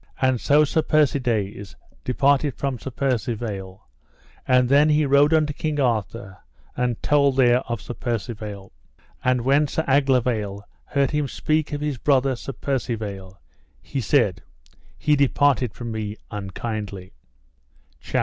And so Sir Persides departed from Sir Percivale, and then he rode unto King Arthur, and told there of Sir Percivale. And when Sir Aglovale heard him speak of his brother Sir Percivale, he said: He departed from me unkindly. CHAPTER XIII.